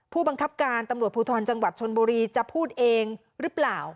ผู้บังคับการตำรวจภูทรจังหวัดชนบุรีจะพูดเองหรือเปล่า